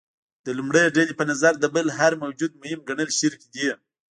د لومړۍ ډلې په نظر د بل هر موجود مهم ګڼل شرک دی.